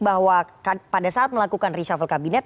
bahwa pada saat melakukan reshuffle kabinet